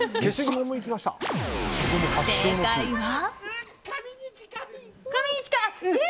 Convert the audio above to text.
正解は。